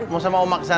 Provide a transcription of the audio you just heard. mau sama oma ke sana